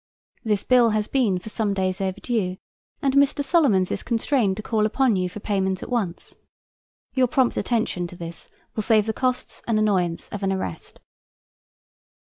This bill has been for some days overdue, and Mr. Solomons is constrained to call upon you for payment at once. Your prompt attention to this will save the costs and annoyance of an arrest.